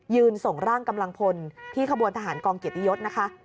ส่งร่างกำลังพลที่ขบวนทหารกองเกียรติยศนะคะ